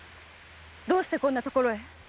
どうしてこんな所へ？